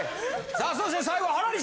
さあそして最後は原西！